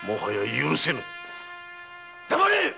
黙れ！